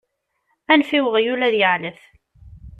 Anef i weɣyul ad yeεlef!